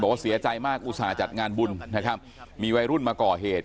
บอกว่าเสียใจมากอุตส่าห์จัดงานบุญนะครับมีวัยรุ่นมาก่อเหตุ